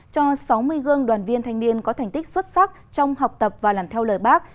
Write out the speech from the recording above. cho sáu mươi gương đoàn viên thanh niên có thành tích xuất sắc trong học tập và làm theo lời bác